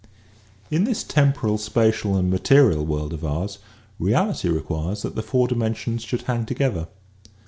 In this temporal, spatial and material world of ours reality requires that the four dimensions should hang together.